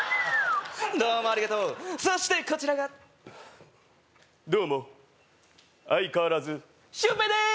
どうもありがとうそしてこちらがどうも相変わらずシュウペイです